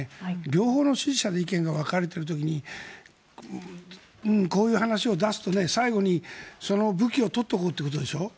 両方の支持者の意見が分かれている時にこういう話を出すと最後にその武器を取っておこうということでしょ。